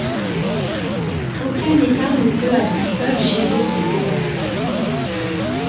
Aucun État ne peut à lui seul gérer ces déplacements.